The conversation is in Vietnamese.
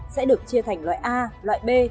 sẽ được chia thành loại a loại b